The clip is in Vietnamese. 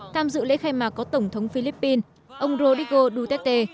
tham dự lễ khai mạc có tổng thống philippines ông rodrigo duterte